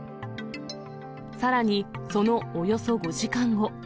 さらに、そのおよそ５時間後。